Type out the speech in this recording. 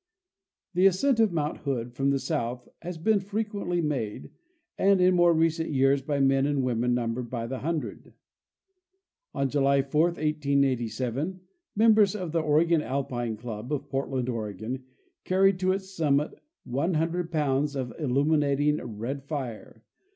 The ascent of mount Hood from the south has been fr equently made, and in more recent years by men and women numbered by the hundred. On July 4, 1887, members of the Oregon Alpine club of Portland, Oregon, carried to its summit 100 pounds of illuminating red fire.